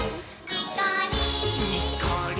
にっこり。